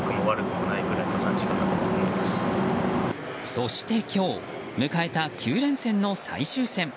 そして今日迎えた９連戦の最終戦。